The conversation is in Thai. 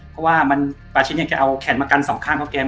เพราะว่าปาชิดเนี่ยแกเอาแขนมากันสองข้างเข้าแกม